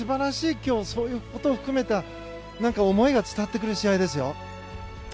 今日そういうことを含めた何か、思いが伝わってくる試合ですよ。